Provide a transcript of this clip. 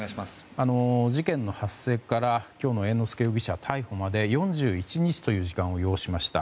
事件の発生から今日の猿之助容疑者の逮捕まで４１日という時間を要しました。